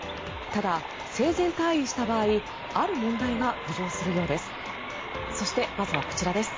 ただ、生前退位した場合ある問題が浮上するようです。